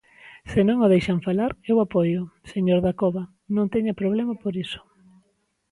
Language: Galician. Se non o deixan falar, eu apóioo, señor Dacova, non teña problema por iso.